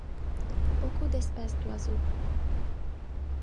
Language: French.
Beaucoup d’espèces d’oiseaux.